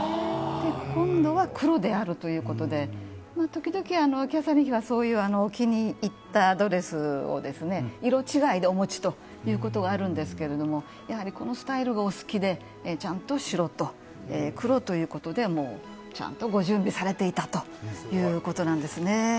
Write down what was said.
今度は黒であるということで時々、キャサリン妃はそういう気に入ったドレスを色違いでお持ちということがあるんですがやはり、このスタイルがお好きでちゃんと白と黒ということでちゃんとご準備されていたということなんです。